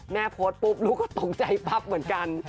แม่โพรตปุ๊บรู้ก็ตรงใจป๊าปเหมือนกัน